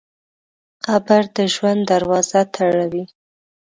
قبر د ژوند دروازه تړوي.